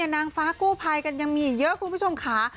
นางฟ้ากู้ภัยกันยังมีอีกเยอะคุณผู้ชมค่ะ